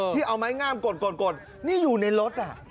ที่เอาไม้งามกดนี่อยู่ในรถ